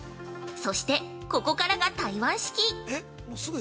そして、ここからが台湾式！